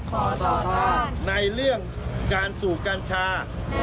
ในเรื่องการสูบกัญชาในเรื่องการสูบกัญชา